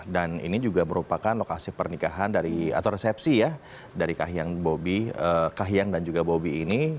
dan ini juga merupakan lokasi pernikahan atau resepsi ya dari kahyang dan juga bobi ini